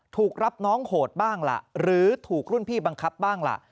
ถูกรับน้องโหดบ้างล่ะหรือถูกรุ่นพี่บังคับบ้างล่ะ